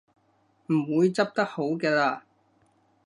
唔會執得好嘅喇